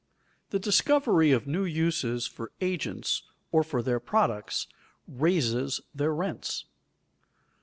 _The discovery of new uses for agents or for their products raises their rents.